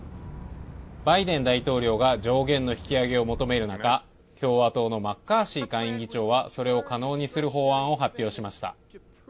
バイデン大統領が上限の引き上げを求める中、共和党のマッカーシー下院議長はそれを可能にする法案を発表しました。